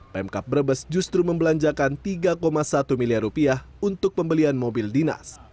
pemkap brebes justru membelanjakan tiga satu miliar rupiah untuk pembelian mobil dinas